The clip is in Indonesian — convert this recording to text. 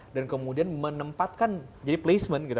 dan kemudian menempatkan jadi placement gitu